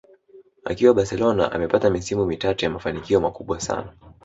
Akiwa Barcelona amepata misimu mitatu ya mafanikio makubwa sana